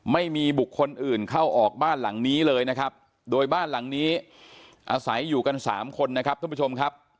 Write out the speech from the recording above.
ไม่มีบุคคลอื่นเข้าออกบ้านหลังนี้เลยนะครับโดยบ้านหลังนี้อาศัยอยู่กันสามคนนะครับท่านผู้ชมครับ